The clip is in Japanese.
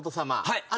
はい。